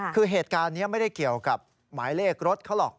คือเหตุการณ์นี้ไม่ได้เกี่ยวกับหมายเลขรถเขาหรอก